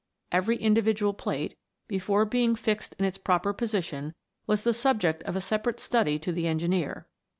Every individual plate, before being fixed in its proper position, was the subject of a separate study to the engineer.